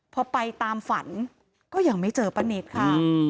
พอไปตามฝันก็ยังไม่เจอป้านิตค่ะ